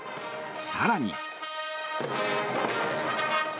更に。